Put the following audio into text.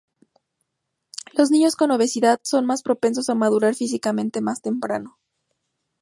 Los niños con obesidad son más propensos a madurar físicamente más temprano.